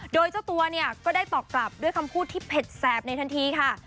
โดยเจ้าตัวเนี่ยก็ได้ตอบกลับด้วยคำพูดที่เผ็ดแสบในทันทีค่ะ